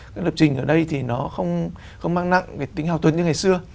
cái lập trình ở đây thì nó không mang nặng cái tính hào tuấn như ngày xưa